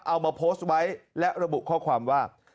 เอามาโพสต์ไว้และระบุข้อความว่า